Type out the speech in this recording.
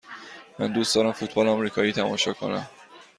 من دوست دارم فوتبال آمریکایی تماشا کنم.